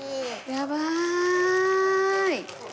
やばーい！